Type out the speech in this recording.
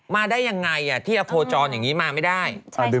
มาได้อย่างไรอ่ะที่รักโภร์ชรณ์อย่างนี้มาไม่ได้